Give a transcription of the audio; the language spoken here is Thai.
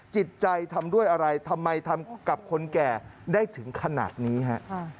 จิตใจทำด้วยอะไรทำไมทำกับคนแก่ได้ถึงขนาดนี้ฮะ